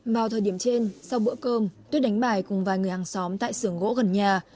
vào thời điểm trên sau bữa cơm tuyết đánh bài cùng vài người hàng xóm tại sưởng gỗ gần nhà